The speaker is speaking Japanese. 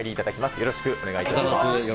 よろしくお願いします。